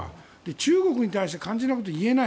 中国に対して肝心なことが言えない。